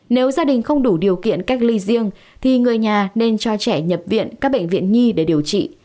nếu gia đình không đủ điều kiện cách ly riêng thì người nhà nên cho trẻ nhập viện các bệnh viện nhi để điều trị